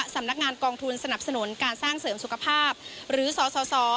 สำนักงานกองทุนสนับสนุนการสร้างเสริมสุขภาพหรือสส